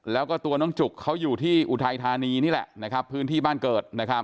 แล้วก็ตัวน้องจุกเขาอยู่ที่อุทัยธานีนี่แหละพื้นที่บ้านเกิด